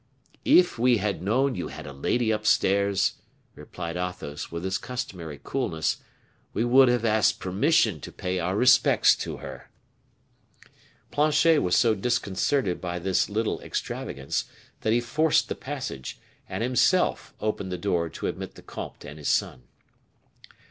"If we had known you had a lady upstairs," replied Athos, with his customary coolness, "we would have asked permission to pay our respects to her." Planchet was so disconcerted by this little extravagance, that he forced the passage, and himself opened the door to admit the comte and his son.